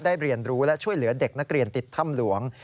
เรียนรู้และช่วยเหลือเด็กนักเรียนติดถ้ำหลวง